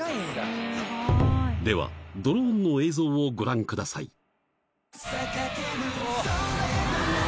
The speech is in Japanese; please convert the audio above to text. では、ドローンの映像をご覧ください。